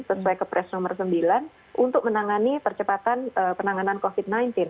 sesuai kepres nomor sembilan untuk menangani percepatan penanganan covid sembilan belas